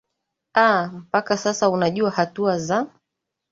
aa mpaka sasa unajua hatua za